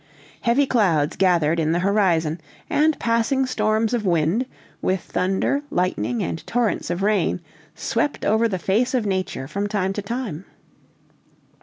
Heavy clouds gathered in the horizon, and passing storms of wind, with thunder, lightning, and torrents of rain swept over the face of nature from time to time.